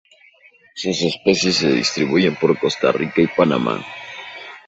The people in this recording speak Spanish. Sus especies se distribuyen por Costa Rica y Panamá.